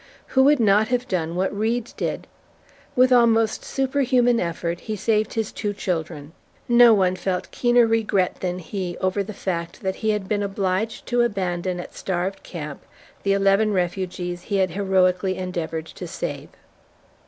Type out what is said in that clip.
Who would not have done what Reed did? With almost superhuman effort, he saved his two children. No one felt keener regret than he over the fact that he had been obliged to abandon at Starved Camp the eleven refugees he had heroically endeavored to save.